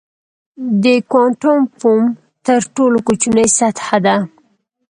د کوانټم فوم تر ټولو کوچنۍ سطحه ده.